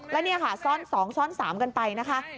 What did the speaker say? แล้วนี่ค่ะซ่อน๒ซ่อน๓กันไปนะคะ